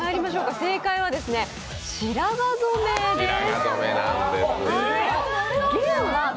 正解は、白髪染めです。